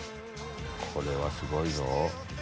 これはすごいぞ。